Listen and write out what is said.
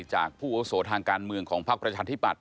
จากผู้โอโสทางการเมืองของภาคประชาธิบัติ